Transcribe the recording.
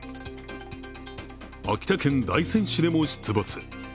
秋田県大仙市でも出没。